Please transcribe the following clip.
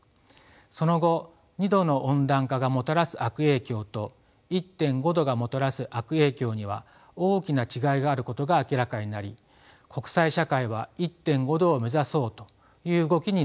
その後２℃の温暖化がもたらす悪影響と１．５℃がもたらす悪影響には大きな違いがあることが明らかになり国際社会は１．５℃を目指そうという動きになっています。